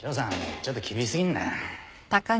ちょっと厳し過ぎんだよ。